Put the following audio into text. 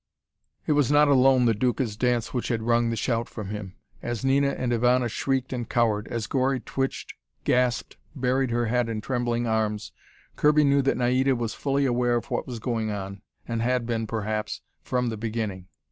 It was not alone the Duca's dance which had wrung the shout from him. As Nina and Ivana shrieked and cowered, as Gori twitched, gasped, buried her head in trembling arms, Kirby knew that Naida was fully aware of what was going on had been, perhaps, from the beginning.